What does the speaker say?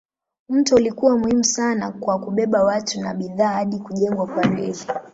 Mto ulikuwa muhimu sana kwa kubeba watu na bidhaa hadi kujengwa kwa reli.